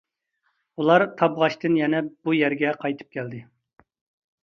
ئۇلار تابغاچتىن يەنە بۇ يەرگە قايتىپ كەلدى.